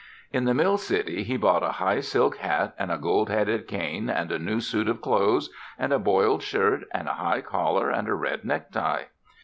In the mill city he bought a high silk hat and a gold headed cane and a new suit of clothes and a boiled shirt and a high collar and a red necktie.